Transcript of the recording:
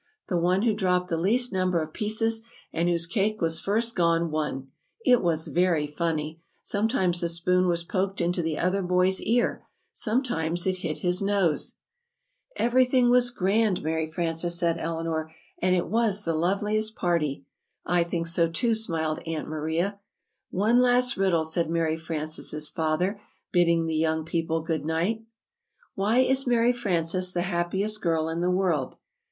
The one who dropped the least number of pieces, and whose cake was first gone, won. It was very funny! Sometimes the spoon was poked into the other boy's ear; sometimes it hit his nose. [Illustration: "Blind feeds blind] "Everything was grand, Mary Frances," said Eleanor, "and it was the loveliest party!" "I think so, too," smiled Aunt Maria. "One last riddle," said Mary Frances' father, bidding the young people good night: "'Why is Mary Frances the happiest girl in the world?'"